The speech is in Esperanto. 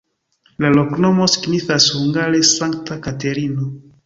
La loknomo signifas hungare: Sankta Katerino.